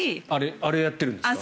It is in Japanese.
あれをやっているんですか。